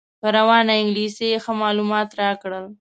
په روانه انګلیسي یې ښه معلومات راکړل.